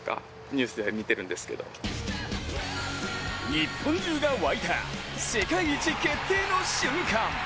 日本中が沸いた世界一決定の瞬間。